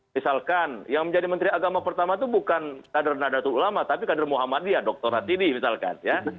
misalkan yang menjadi menteri agama pertama itu bukan kader nadatul ulama tapi kader muhammadiyah dr hatidi misalkan ya